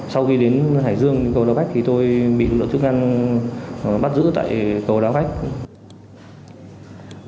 sau khi đến hải dương cầu đao bách tôi bị lộ chức năng bắt giữ tại cầu đao bách